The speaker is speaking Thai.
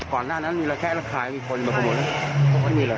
ก่อนหน้านั้นมีแค่อัลครายมีคนมาขบรวนเพราะมีอะไร